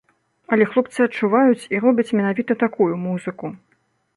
Але хлопцы адчуваюць і робяць менавіта такую музыку.